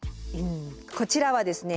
こちらはですね